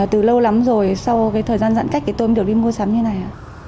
từ lâu lắm rồi sau thời gian giãn cách tôi mới được đi mua sắm như này